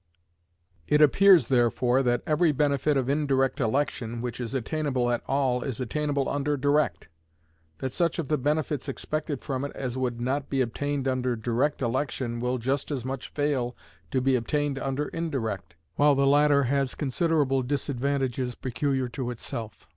It appears, therefore, that every benefit of indirect election which is attainable at all is attainable under direct; that such of the benefits expected from it as would not be obtained under direct election will just as much fail to be obtained under indirect; while the latter has considerable disadvantages peculiar to itself.